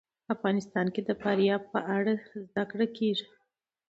افغانستان کې د فاریاب په اړه زده کړه کېږي.